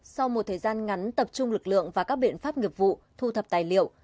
sau một thời gian ngắn tập trung lực lượng và các biện pháp nghiệp vụ thu thập tài liệu